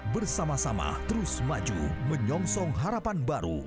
bersama sama terus maju menyongsong harapan baru